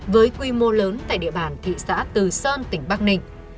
với quy mô lớn tại địa bàn thị xã từ sơn tỉnh bắc ninh